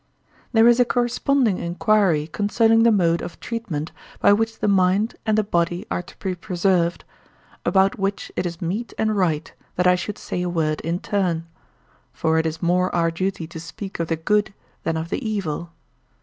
There is a corresponding enquiry concerning the mode of treatment by which the mind and the body are to be preserved, about which it is meet and right that I should say a word in turn; for it is more our duty to speak of the good than of the evil.